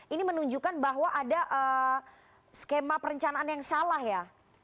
ini menunjukkan bahwa ada skema perencanaan yang salah ya